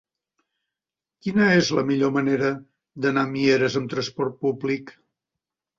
Quina és la millor manera d'anar a Mieres amb trasport públic?